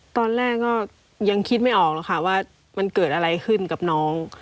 ตอนแรกก็ยังคิดไม่ออกหรอกค่ะว่ามันเกิดอะไรขึ้นกับน้อง